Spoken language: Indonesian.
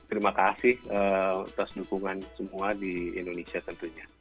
terima kasih atas dukungan semua di indonesia tentunya